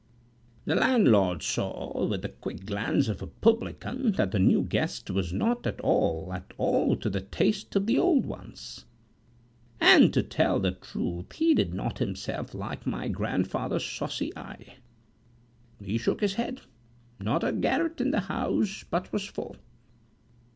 The landlord saw with the quick glance of a publican that the new guest was not at all, at all, to the taste of the old ones; and to tell the truth, he did not himself like my grandfather's saucy eye. He shook his head "Not a garret in the house but was full.""